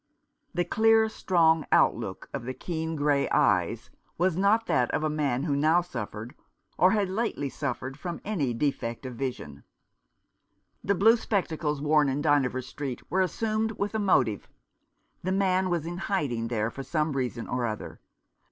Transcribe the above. The clear, strong outlook of the keen grey eyes was not that of a man who now suffered, or had lately suffered, from any defect of vision. The blue spectacles worn in Dynevor Street were assumed with a motive. The man was in hiding there for some reason or other.